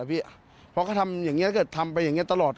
เพราะเขาทำอย่างนี้ก็ทำไปอย่างนี้ตลอด